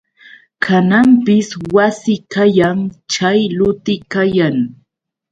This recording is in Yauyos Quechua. Kananpis wasi kayan chay luti kayan.